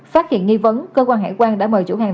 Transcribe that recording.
phát hiện nghi vấn cơ quan hải quan đã mời chủ hàng